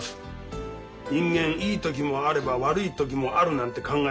人間いい時もあれば悪い時もあるなんて考えてることが１つ。